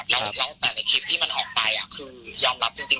แล้วแต่ในคลิปที่มันออกไปคือยอมรับจริง